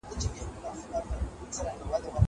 ديارکور ته به راغلمه دمه به مي کوله